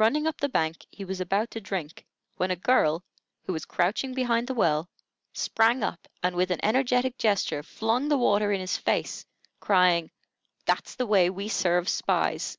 Running up the bank, he was about to drink, when a girl, who was crouching behind the well, sprang up, and with an energetic gesture, flung the water in his face, crying: "That's the way we serve spies!"